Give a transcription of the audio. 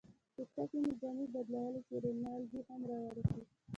کوټه کې مې جامې بدلولې چې رینالډي هم را ورسېد.